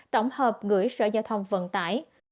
sở giao thông vận tải